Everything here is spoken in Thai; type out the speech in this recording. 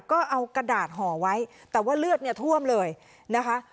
ก็เอากระดาษห่อไว้แต่ว่าเลือดเนี่ยท่วมเลยนะคะ